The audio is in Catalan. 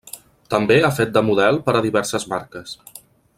També ha fet de model per a diverses marques.